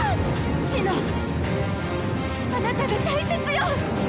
紫乃あなたが大切よ！